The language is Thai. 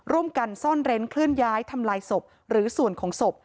ร่วมกันซ่อนเร้นเคลื่อนย้ายทำลายศพหรือส่วนของศพ